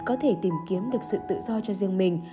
có thể tìm kiếm được sự tự do cho riêng mình